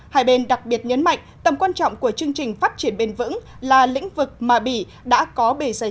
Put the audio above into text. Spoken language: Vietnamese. hai bên đặc biệt nhấn mạnh tầm quan trọng của chương trình phát triển bền vững là lĩnh vực mà bỉ đã có bề dày